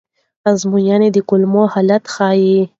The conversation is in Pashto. ازموینې د کولمو حالت ښيي.